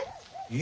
え。